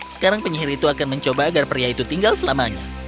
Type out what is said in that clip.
sekarang penyihir itu akan mencoba agar pria itu tinggal selamanya